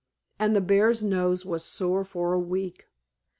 And the bear's nose was sore for a week.